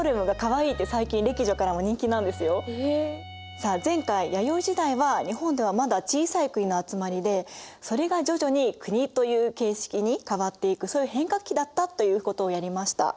さあ前回弥生時代は日本ではまだ小さい国の集まりでそれが徐々に国という形式に変わっていくそういう変化期だったということをやりました。